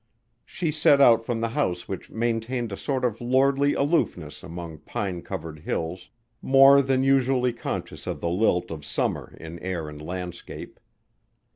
She set out from the house which maintained a sort of lordly aloofness among pine covered hills, more than usually conscious of the lilt of summer in air and landscape.